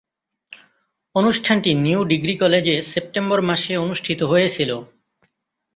অনুষ্ঠানটি New Degree College September মাসে অনুষ্ঠিত হয়েছিলো।